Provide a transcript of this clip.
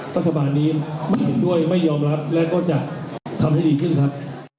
รัฐบาลนี้ไม่เห็นด้วยไม่ยอมรับและก็จะทำให้ดีขึ้นครับ